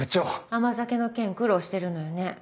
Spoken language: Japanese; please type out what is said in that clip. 甘酒の件苦労してるのよね？